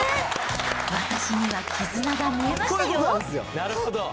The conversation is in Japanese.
私には絆が見えましたよ。